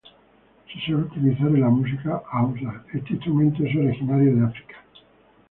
Se suele utilizar en la música hausa. Este instrumento es originario de Africa